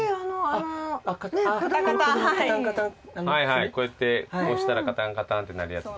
はいはいこうやって押したらカタンカタンってなるやつだ。